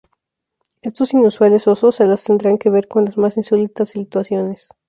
Estos inusuales osos se las tendrán que ver con las más insólitas situaciones.